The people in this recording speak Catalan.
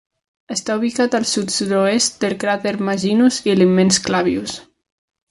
Està ubicat al sud-sud-oest del cràter Maginus i l'immens Clavius.